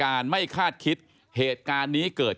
กลุ่มวัยรุ่นก็ตอบไปว่าเอ้าก็จอดรถจักรยานยนต์ตรงแบบเนี้ยมานานแล้วอืม